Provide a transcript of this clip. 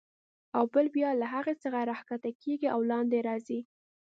او بل بیا له هغې څخه راکښته کېږي او لاندې راځي.